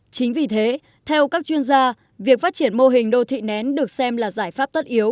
chính vì thế theo các chuyên gia việc phát triển mô hình đô thị nén được xem là giải pháp tất yếu